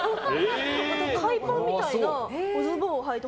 海パンみたいなズボンをはいて。